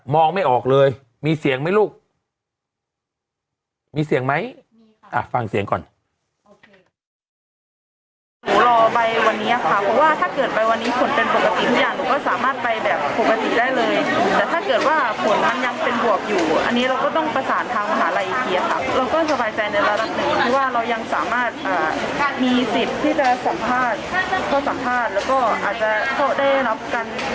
มองไม่ออกเลยมีเสียงไหมลูกมีเสียงไหมมีค่ะ